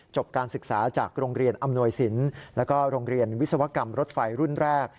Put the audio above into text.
การศึกษาจากโรงเรียนอำนวยสินแล้วก็โรงเรียนวิศวกรรมรถไฟรุ่นแรก